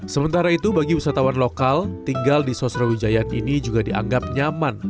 sementara itu bagi wisatawan lokal tinggal di sosrawijayan ini juga dianggap nyaman